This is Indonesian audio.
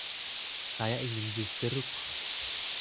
Saya ingin jus jeruk.